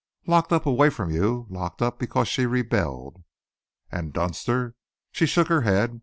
"Locked up away from you, locked up because she rebelled!" "And Dunster?" She shook her head.